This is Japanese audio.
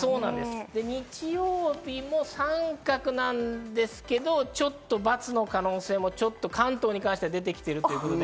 日曜日も三角なんですけど、ちょっとバツの可能性も関東に関しては出てきている。